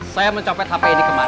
saya mencopet hp ini kemarin